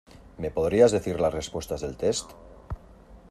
¿Me podrías decir las respuestas del test?